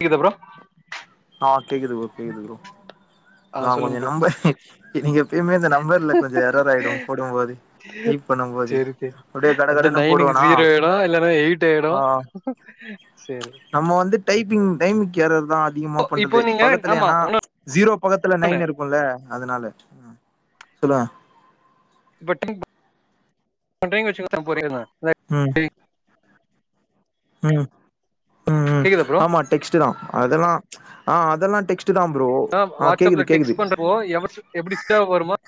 கேக்குதா ப்ரோ ஆ கேக்குது ப்ரோ கேக்குது ப்ரோ ஆ நா சொல்லுங்க கொஞ்சோ ப்ரோ நம்பர் எ நீங்க எப்பயுமே இந்த நம்பர்ல கொஞ்சோ எரர் ஆயிடு போடும்போது செரி டைப் பண்ணும் போது செரி அப்டியே கட அந்த கடன்னு நைனுக்கு போடுவனா ஜீரோ ஆயிடு இல்லன்னா எயிட் ஆயிடு ஆ சேரி நம்ம வந்துட் திங் டைமிக்கு எரர்தா அதிகமா இப்போ இப்போ பண்றது நீங்க பக்கத்துல ஆமா ஏன்னா ஜீரோ பக்கத்துல உன்னொன்னு நைன் இருக்குல்ல அதனால ம் சொல்லுங்க [inaudible] ம் ம் ம் ம் கேக்குதா ப்ரோ ஆமா டெக்ஸ்ட்தா அதெல்லா ஆ அதெல்லா டெக் ஆ வாட்ஸ்அப்ல டெக்ஸ்ட் பண்றப்போ [inaudible] எப்டி [inaudible] வருமா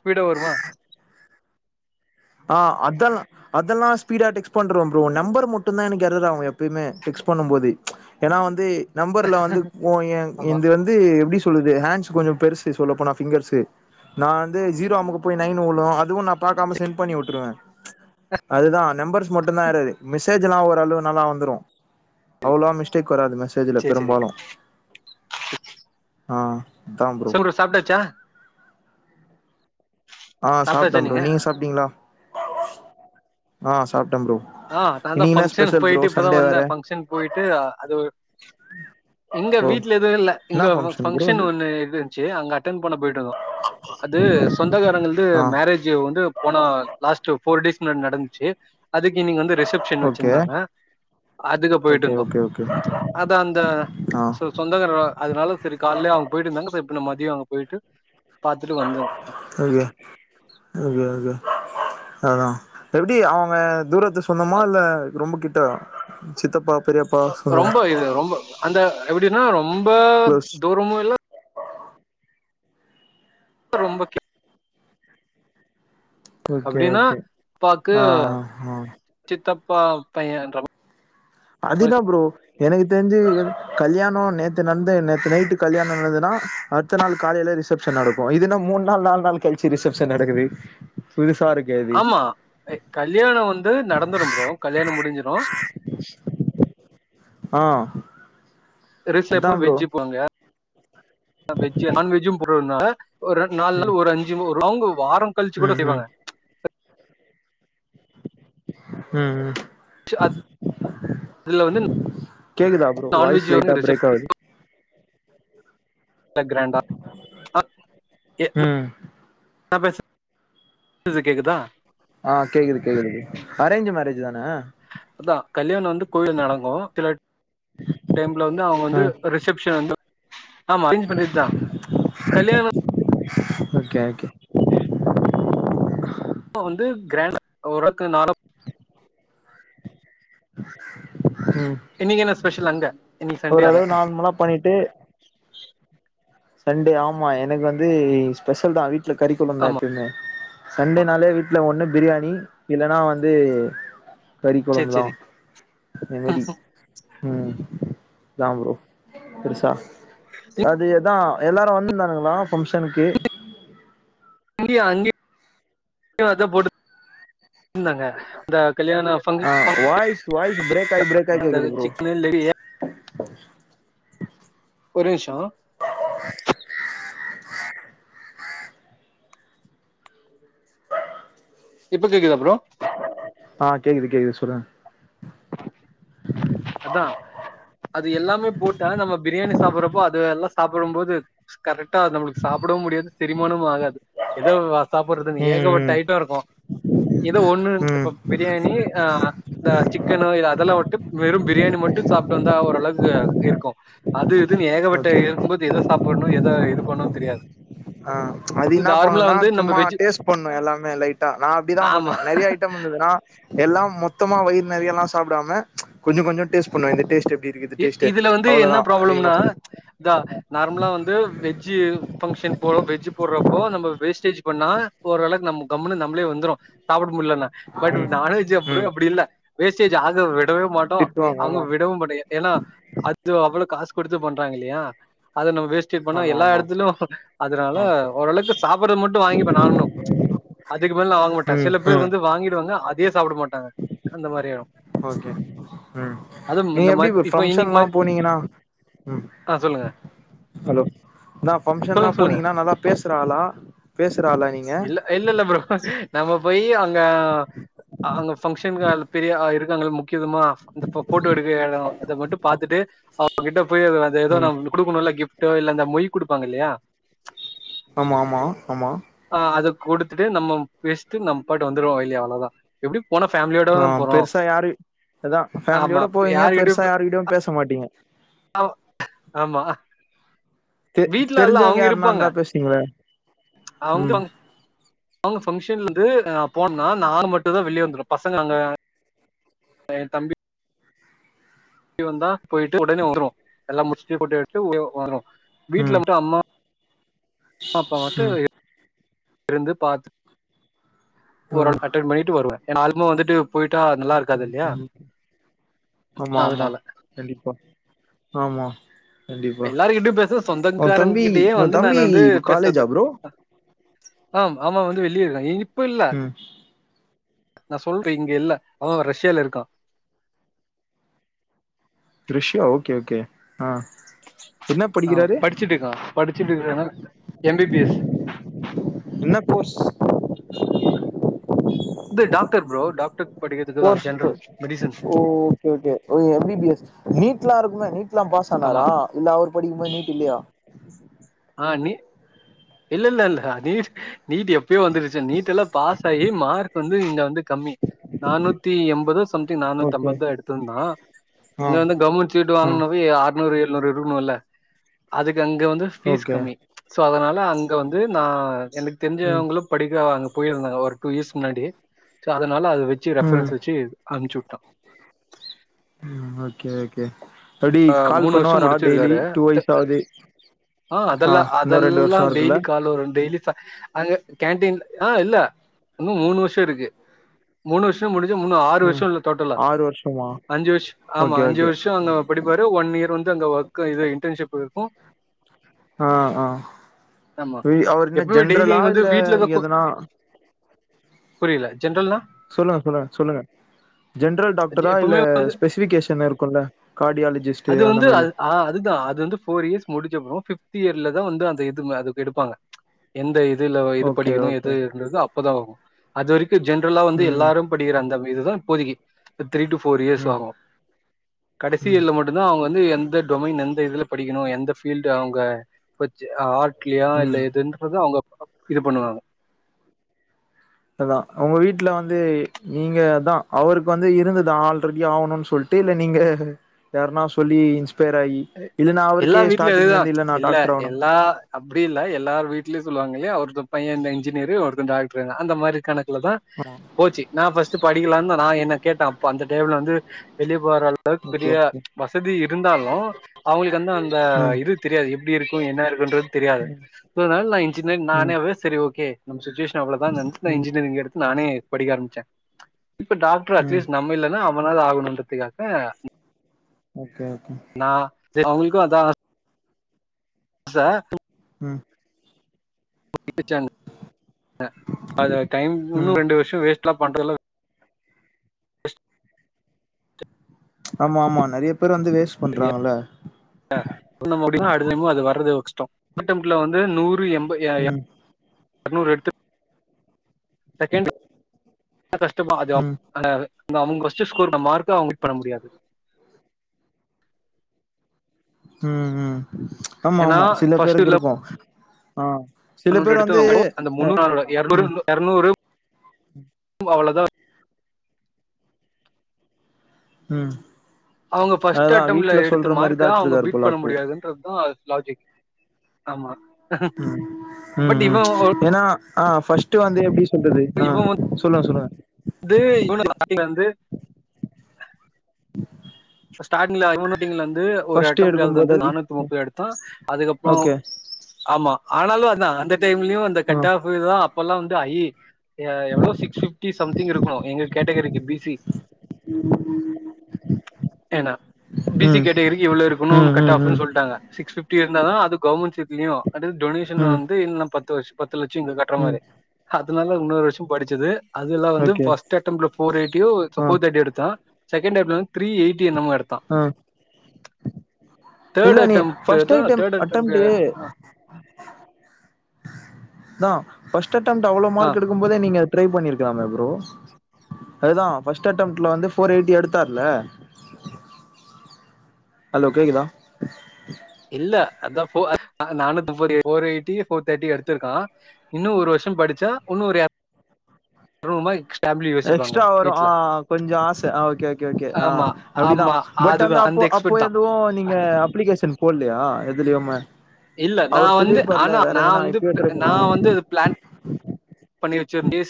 ஸ்பீடா வருமா ஆ அதெல்லா அதெல்லா ஸ்பீடா டெக்ஸ்ட் பண்றே ப்ரோ நம்பர் மட்டும்தா எனக்கு எரர் ஆவு எப்பயுமே டெக்ஸ்ட் பண்ணு போது ஏன்னா வந்து நம்பர்ல வந்து ஓ எ ஆமா இது வந்து எப்டி சொல்லுது ஹேங் ஸ் கொஞ்சோ பெருசு சொல்லப்போனா பிங்கர்ஸ்ஸு நா வந்து ஜீரோ அமுக்க போய் நைன் வுழு அதுவு நா பாக்காம சென்ட் பண்ணி விட்டுருவே அதுதா நம்பர்ஸ் மட்டும்தா எர்ராரு மெசேஜ் எல்லா ஓரளவு நல்லா வந்துரு அவ்ளோவா மிஸ்டேக் வராது மெசேஜ்ல சேரி சேரி பெரும்பாலு ஆ [unintelligible] ப்ரோ சாப்ட்டாச்சா ஆ சாப்ட்டே ப்ரோ நீங்க சாப்ட்டீங்களா ஆ சாப் ஆ நா தா ஃபங்க்ஷன் போயிட்டு இப்பதா சண்டே வந்தே வேற ஃபங்க்ஷன் போயிட்டு அ அது இங்க ஓ வீட்ல எதுவு இல்ல இங்க என்னா ப்ரோ ஃபங்க்ஷன் அது ஒண்ணு இருந்துச்சு அங்க அட்டன் பண்ண போயிட்டு வந்தோ அது சொந்தக்காரங்கள்து ஆ மேரேஜு வந்து போன லாஸ்ட் போர் டேஸ் முன்னாடி நடந்துச்சு அதுக் ஈவ்னிங் வந்து ரிசப்ஷன் ஓகே வச்சிருந்தாங்க அதுக்கு ஓகே போயிட்டுந்தோ ஓகே ஓகே அதா அந்த ஆ சொ சொந்தகரவா அதனால செரி கால்லியே அவுங்க போயிட்டு இருந்தாங்க செ இப்ப நா மதியோ அங்க போயிட்டு பாத்துட்டு வந்தோ ஓகே ஓகே ஓக்கே அதா எப்டி அவுங்க தூரத்து சொந்தமா இல்ல ரொம்ப கிட்டவா சித்தப்பா பெரியப்பா ஒ சொந்தோ ரொம்ப இது ரொம்ப அந்த எப்டின்னா ரொம்ப க்ளோஸ் தூரமு இல்ல ரொம்ப கி ஓகே அப்டின்னா ஓகே பாக்கு ஆ ஆ சித்தப்பா பையன்ற மா அது இன்ன ப்ரோ எனக்கு தெரிஞ்சு கல்யாணோ நேத்து நடந்தே நேத்து நைட்டு கல்யாணோ நடந்துன்னா அடுத்த நாள் காலையிலே ரிசப்ஷன் நடக்கு இதுன மூணு நாள் நாலு நாள் கழிச்சி ரிசப்ஷன் நடக்குது புது ஆமா எ கல்யாண வந்து நடந்துடு ப்ரோ கல்யாண முடிஞ்சிடு ஆ அதா [unintelligible] ப்ரோ வெஜ்ஜ போவாங்க வெஜ்ஜூ நான்வஜ்ஜூ போட்ருந்தாங்க ஒரு நாலு ம் நாள் ஒரு அஞ்சு ஒரு அவங்க வாரம் கழிச்சு கூட ம் ம் செய்வாங்க ம் ம் அதுல வந்து கேக்குதா ப்ரோ நான்வெஜ் வாய்ஸ் வந்து லைட்டா ரிசப்ஷன்ல பிரேக் ஆகுது கிராண்டா அ எ ம் [inaudible] நா பேச ச கேக்குதா ஆ கேக்குது கேக்குது அரேஞ்ச்சு மேரேஜ் தான அதா கல்யாணன் வந்து கோயில்ல நடக்கு சில டைம்ல வந்து அவங்க வந்து ம் ரிசபஷன் வந்து ஆமா சேஞ் பண்ணிட்டு தா கல்யாண ஓகே ஓகே வந்து கிராண்டா ஒரக்கு நா [inaudible] [inaudible] ம் இன்னைக்கு என்ன ஸ்பெஷல் அங்க இன்னைக்கு சண்டே வேற ஓரளவு நார்மலா பண்ணிட்டு சண்டே ஆமா எனக்கு வந்து ஸ்பெஷல் தா வீ ட்ல கறிக்கொழபுதா ஆமா எப்பயுமே சண்டே நாளே வீட்ல ஒன்னு பிரியாணி இல்லன்னா வந்து கறி சேரி கொழம்புதா சேரி அத மாதி ம் தம்பரூ பெசா அது எப் தா எல்லாரு வந்திருந்தானங்களா பங்க்ஷனுக்கு அங்கய அங்கய போட்டுந்தாங்க இந்தாங்க ஆ வாய்ஸ் வாய்ஸ் பிரேக் ஆயி பிரேக் ஆயி கேக்குது ப்ரோ [unintelligible] கல்யாண [unintelligible] ஒறே நிஷ இப்ப கேக்குதா ப்ரோ ஆ கேக்குது கேக்குது சொல்லுங்க அதா அது எல்லாமே போட்டா நம்ம பிரியாணி சாப்படுறப்போ அது எல்லா சாப்படு போது கரெக்டா நம்மளுக்கு சா ப்பிடவு முடியாது செரிமானு ஆகாது ஏதோ சாப்பறதுன்னு ம் ஏகப்பட்டட்ட ஐட்ட இருக்கு ஏதோ ஒண்ணு ம் ம் இப்ப பிரியாணி ஆ இந்த இ அதெல்லா விட்டு வெறு பிரியாணி மட்டு சாப்ட்டு வந்தா ஓரளவுக்கு இருக்கு அது இது இதுன்னு ஏகப்பட்ட ஓகே இருக்கும்போது எத சாப்பணு எத இது பண்ணனு தெரியாது ஆ அது இது என்னா நார்மலா பண்ணுனா வந்து நம்ம சும்மா வெஜ் டேஸ்ட் பண்ணு எல்லாமே லைட்டா நா அப்படிதா ஆமா பண்ணுவே நெறைய ஐட்ட இருந்ததுன்னா எல்லா மொத்தமா வயிர் நெறையல்லா சாப்டாம கொஞ்ச கொஞ்ச டேஸ்ட் பண்ணுவே இந்த டேஸ்ட் எப்டி இருக்கு இது எ டேஸ்ட் இதுல வந்து என்ன அவ்ளோதா அதிகமா ப்ராப்ளம்னா இதா நார்மலா வந்து வெஜ்ஜு பங்க்ஷன் போ வெஜ்ஜ் போறப்போ நம்ம வேஸ்டேஜ் பண்ணா ஒரு வேளக்கு நம்ம கம்முணு நம்மளே வந்துடு சாப்பட முல்லனா பட் ம் நான்வெஜ் அப்பற ம் அப்படி இல்ல வேஸ்டேஜ் ஆக விடவே மாட்டோ எ திட்டுவாங்க அங்க ஆமா விடவு மாட்டாய்ங்க ஏன்னா அது அவ்வ ளோ காசு குடுத்து பண்றாங்க இல்லையா அது நம்ம வேஸ் ட்டே ஆமா எல்லா ஆமா எடத்திலு அதனால ஆ ஓரளவுக்கு சாப்பட்றது மட்டு வாங்கிப்பே நானு அதுக்கு மேல நா வாங்க மாட்டே ம் சில பேரு ம் வந்து வாங்கிடுவாங்க அதே சாப்பட மாட்டாங்க அந்த மாரி ஆயிடு ஓகே ம் அதுவு நீங்க இந்த எப்பிடி மாரி ப்ரோ இப்ப இன்னைக்கு ஃபங்க்ஷன்ல்லா மாரி போனீங்கன்னா ம் ஆ சொல்லுங்க ஹலோ தா ஃபங்க்ஷன்ல்லா சொல்லுங்க சொல்லுங்க போனீங்கன்னா நல்லா பேசுற ஆளா பேசுற ஆளா நீங்க இல்ல இல்ல இல்ல நம்ம போயி அங்க அங்க ஃபங்க்ஷக்க பெரிய இருக்காங்கல்ல முக் கிதமா அந்த ஃபோட்டோ எடுக்க எட அத மட்டு பாத்துட்டு அவுங்ககிட்ட போய் அத எதோ ம் நம் இங்க குடுக்கோணுல்ல கிஃப்ட் டோ இல்ல அந்த மொய் குடுப்பாங்கல்லையா ஆமாமா ஆமா ஆ அதக் குடுத்துட்டு நம்ம பேஸ்ட்டு நம் பாட்டுக் வந்துருவோ இல்லையா அவ்ள தா எப்பிடி ஆ பெருசா யாரு அதா ஆமா ஃபேமிலியோட போவீங்க பெருசா யாருகிட்டயு யாருக்கிட்டயு பேச மாட்டீங்க ஆமா தெ தெரிஞ்சவங்க யாருன்னா இருந்தா பேசுவீங்கல்ல அவ்ன்ட்ட வந்து அவுங்க ஃபங்க்ஷன்லருந்து நா போண்னா நானு மட்டு தா வெளிய வந்துருவே பசங்க அங்க எ தம்பி தம்பி வந்தா போயிட்டு ஒடனே வந்துருவோ எல்லா முடிஸ்ட்டு ஃபோட்டோ எடுத்திட்டு [inaudible] வரோ வீட்ல ம் வந்துட்டு அம்மா அம்மாப்பா வந்ட்டு ம் இருந்து பாத்துட் ஆ ஓரளவுக் அட்டன்ட் பண்ணிட்டு வருவே ஏனா [inaudible] வந்துட்டு [inaudible] ஓகே நல்லாருக்காது ஓகே இல்லையா ஓகே. ஆமா ஆமா அதனால கண்டிப்பா ஆமா கண்டிப்பா எல்லாருகிட்டயு பேஸ்ற உ சொந்தக்காரங்க தம்பி கிட்டயே உ வந்து தம்பி நானு வந்து பேஸ்றது காலேஜா ப்ரோ ஆம் ஆமா வந்து வெளிய இருக்கா எங்கியி ம் நா சொல்றே இங்க இல்ல அவ ரஷ்யால இருக்கா ரஷ்யா ஓகே ஓகே ஆ என்ன ஆ படிக்கிறாரு படிச்சிட்டு இருக்கா படிச்சிட்டுருக்கானா எம் பி பி எஸ் என்ன கோர்ஸ் இது டாக்டர் ப்ரோ டாக்டர் படிக்கிறதுக்கு தான் கோர்ஸ் ஜென்ரல் கோர்ஸ் மெடிசன் ஓ ஓகே ஓகே ஓ எம் பி பி எஸ் நீட்லா இருக்குமே நீட் லாம் பாஸ் ஆமா ஆனாரா இல்ல அவர் படிக்கு போது நீட் இல்லையா ஆ நீ இல்லல்ல நீட் நீட் எப்பயோ வந்துருச்சு நீட்டெல்லா பாஸ் ஆயி மார்க் வந்து இங்க வந்து கம்மி நானூத்தி எம்பதோ சம்திங் ஓகே நானூத்தம்பத் தா எடுத்துருந்தா ஆ இங்க வந்து கவர்மெண்ட் சீட்டு ஆ வாங்கனுனாவே ஆர்னூரு எ ழ்னூரு எடுக்கணுன்ல்ல அதுக்கு அங்க வந்து ஃபீஸ் ஓகே கம்மி சோ அதனா ல அங்க வந்து நா எனக்கு ம் தெரிஞ்சவங்களு படிக்க அங் போயிருந்தாங்க ஒரு டூ இயர்ஸ்க் முன்னாடி சோ அதனால அத வெச்சி ம் ரெஃபரன்ஸ் வெச்சி அம்சுட் டோ ம் ஓகே ஓகே எப்பிடி அ கால் வருஷம் பண்ணுவாரா டெய்லி முடிச்சிருக்காரு. டுவய்சாது ஆ அதெல்லா அதெல்லா டெய்லி கால் வரு டெய்லி ச அங்க கேன்டீன் ஆ இல்ல இன்னு மூனு வர்ஷோ இருக்கு மூனு வர்ஷோ முடி ஞ்சி இன்னு ஆறு ம் வர்ஷோ இல்ல டோட்டலா ஆறு வருஷமா அஞ்சு வர்ஷ ஆமா ஓகே அஞ்சு ஓகே வர்ஷோ அங்க படிப்பாரு ஒன் இயர் வந்து அங்க ஒர்க்கு இது இன்டன்ஷிப்பு இருக்கு ஆ ஆ ம் அவர் என்ன எப்பவுமே ஜென்ரலா இல்ல எதுனா புரில சொல்லுங்க சொல்லுங்க சொல்லுங்க ஜென்ரல் டாக்டரா இல்ல எப்பவுமே ஸ்பெசிபிகேஷன் இருக்குல்ல கார்டியாலஜிஸ்ட் அது அந்த வந்து மாரி அத் அதுதா அது வந்து ஃபோர் இயர்ஸ் முடிச்சப்பறோ ஃபிப் த் இயர்ல தா வந்து அந்த இது அதுக்கு எடுப்பாங்க எந்த இதுல எது ஓகே படிக்கணு ஓகே எதுன்றது அப் பதா ஆகு அது வரைக்கு ஜென்ரலா வந்து ம் எல்லாரு படிகிற அந்த இதுதா இப்போதைக்கி த்ரீ டூ ஃபோர் இயர்ஸ் ம் ஆகு கடைசி ம் இயர்ல மட்டுந்தா அவுங்க வந்து எந்த டொமைன் எந்த இதுல படிக்கணு எந்த பீல்டு அவுங்க பட்ச்சி ஹாட்லியா இல்ல ம் எதுன்றது அவுங்க இது பண்ணுவாங்க அதா உங்க வீட்ல வந்து நீங்க தா அவருக்கு வந்து இருந்தது ஆல்ரெடி ஆவுணுன் சொல் ட்டே இல்ல நீங்க யாருன்னா சொல்லிஇ எல்லா வீட்லயும் எதுதான் இருந்து நா இல்ல டாக்டர் ஆவணு எல்லா அப்படி இல்ல எல்லாரும் வீட்லயும் சொல்லுவாங்க அவருக்கொரு பையன் இன்ஜினியர் ஒருத டாக்டர் அந்த மாதிரி கணக்கல தான் ஆமா போச்சு நான் பஸ்ட் படிக்கலாம்ன நான் என்ன கேட்டேன்ப்ப அந்த டேம் வந்து வெளிய வர அளவுக்கு ஓகே பெரிய ஓகே வசதி இருந்தாலும் அவங்களுக்கு வந்த அந்த ம் இது தெரியாது எப்படி இருக்கும் என்ன இருக்குன்றது தெரியாது னால நான் இன்ஞ்சினியரிங் ம் நானே சரிஓ ஷுஸ்வேஷன் அவ்ளதான்ந்தானனு ம் இன்ஜினியரிங் எடுத்து நானே படிக்க ஆரம்பிச்சேன் இப்ப டாக்டர் ம் அட்லீஸ்ட் நம்ம இல்லைன்னா அவனாவ ஆகணுன்றதுக்காக ஓகே ஓகே நான் அவங்களுக்கும் அதான் ச ம் ஆஹ் டைம் இன்னும் ம் ரெண்டு வருஷம் வேஸ்ட் எலாம் பண்றதுல்ல ஆமா ஆமா நிறைய பேரு வந்து வேஸ்ட் பண்றாங்கல்ல சோ [unintelligible] அது வரது கஸ்ட்டோம் அட்டம்ட்ல வந்து நூறு எ ம் அநூறு எடுத்து செகண்ட் என்ன கஷ்டமோ ம் அதுல அவங்க கொஸ்டின் ஸ்கோர் மார்க்க அவங்க பண்ண முடியாது ஹம் உம் ஆமா ஏன்னா ஆமா சில பேருக்கு இருக்குகோம் ஆஹ் எடுத்துோ அந்த ம் முறுநூறுநூறு அவ்வளவுதான் உம் அவங்க ஃபர்ஸ்ட் அட்டம்ட்ல எடுத்த மார்க்க அவங்க எத்துருக்காரு பீட் போல பண்ண அப்போ முடியாதுன்றதுதான் லாஜிக் ஆமா உம் உஹம் பட் உம் இவன் ஏன்னா ஆஹ் ஃபர்ஸ்ட் வந்து எ சொல்றது ஆஹ் சொல்லுங்க சொல்லுங்க இது இவன் ல வந்து ஸ்டாரிங்லநூட்டிங்கல வந்து ஒரு ஃபர்ஸ்ட்டு அட்டம் கது எடுக்கும்போது வந்து அது நானூத்தி ம். முப்பது அடுத்தம் அதுக்கப்புறம் ஓகே ஆமா ஆனாலும் அதான் அந்த டைம்லயும் அந்த ஆ கட் ஆப் தான் இப்பல்லாம் வந்து ஐ எவ்வளோ சிக்ஸ் பிப்டி சம்திங் இருக்கணும் எங்க கேட்டகரிக்கு பிசி உம் ஏன்னா பி சி கேட்டகரி எவ்வளவு இருக்கணும் கட் ம் ஆப்நு ம் சொல்லிட்டாங்க சிக்ஸ் பிப் இருந்தால த அ கவர்மெண்ட் சல டொனேஷன் ம் வந்து இ பத்து வருஷம் பத்து பத்து லட்சம் இங்க கட்டுற ம் மாதிரி அதனால இன்னொரு வருசம் படிச்சது அது எல்ல வந்து ஓகே ஃபர்ஸ்ட் அட்டம்ட் ல போர் எய்டிஒ ச ஆ போர் தேட்டி எடுத்தான் செக வந்து த்ரீ எயிட்டி என்னம எடுத்தான் ஆ தேர்ட் இல்ல நீ அட்டம்ட்ட ஃபர்ஸ்ட் ஏதா ஐட்டம் தேர்ட் அட்டம்ட்டு அட்ட தான் பர்ஸ்ட் அட்டம்ட் அவ்ளோ ஆ மார்க் எடுக்கும் போதே நீங்க ட்ரை பண்ணிருக்கலாமே ப்ரோ அதுதான் பர்ஸ்ட் அட்டம்ட்ல வந்து போர் எயிட்டி எடுத்தாருல ஹலோ கேக்குதா இல்ல அதான் நானும் போர் எயிட்டி போர் தேர்டி எடுத்திருக்கான் இன்னும் ஒரு வருஷம் படிச்சா இன்னும் ஒருமா எக்ஸ எக்ஸ்ட்ரா வரும் ஆஹ் கொஞ்சம் ஆசை ஆ் ஓகே ஓகே ஓகே ஆமா ஆமா அப்படிதான் பட் வந்து அதுதா அந்த அப்போ அப்போ எக்ஸ்பெக்ட் தா எதுவும் நீங்க அப்ளிகேஷன் போடலையா எதுலயுமே இல்ல நான் அவர் வந்து சொல்லிருப்பார்ல ஆனா வேற நான் எதனா வந்து இப்பயே ட்ரை பண்ணுவா நான் வந்து இ பிளான் பண்ணி வச்சிரு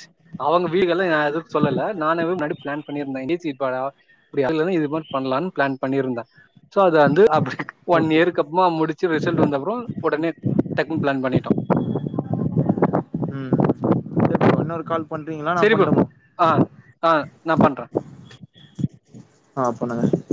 அவங்க வீடுகள் எல்லாம் எதுக்கு சொல்லல நான முன்னாடி பிளான் பண்ணியிருந்தேன் ஏசி இப்ப இது மாதிரி பண்ணலாம்னு பிளான் பண்ணியிருந்தேன் சோ அதது வந்து அப்படி ஒன் ஓகே இயக்கு அப்புறம் முடிச்சு ரிசல்ட் வந்தப்புறம் உடனே டக்குன்ன பிளான் பண்ணிட்டோம் உம் ன்னர் கால் நா சரிப்பு பண்ட்டுமா ஆ ஆ நா பண்ற ஆ பண்ணுங்க